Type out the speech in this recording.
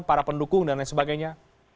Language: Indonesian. para pendukung dan lain sebagainya